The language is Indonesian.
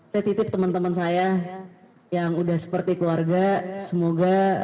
tetip teman teman saya yang udah seperti keluarga semoga